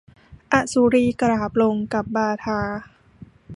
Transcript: อสุรีกราบลงกับบาทา